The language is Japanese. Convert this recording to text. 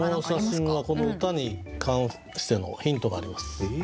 この写真はこの歌に関してのヒントがあります。